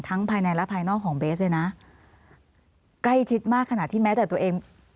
ภายในและภายนอกของเบสเลยนะใกล้ชิดมากขนาดที่แม้แต่ตัวเอง